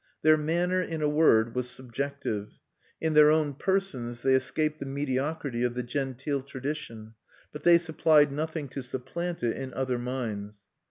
Their manner, in a word, was subjective. In their own persons they escaped the mediocrity of the genteel tradition, but they supplied nothing to supplant it in other minds.